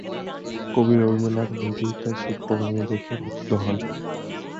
কবি রবীন্দ্রনাথ নিজেই তার শিল্পকর্ম দেখে মুগ্ধ হন।